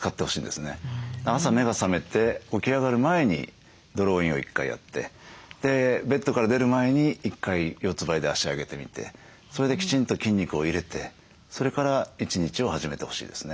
朝目が覚めて起き上がる前にドローインを１回やってでベッドから出る前に１回四つばいで足上げてみてそれできちんと筋肉を入れてそれから１日を始めてほしいですね。